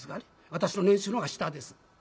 私の年収の方が下です。